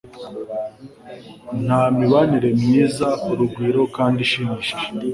Nta mibanire myiza, urugwiro, kandi ishimishije,